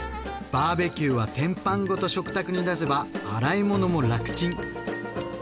バーベキューは天板ごと食卓に出せば洗い物も楽ちん！